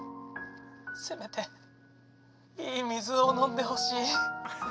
せめていい水を飲んでほしい！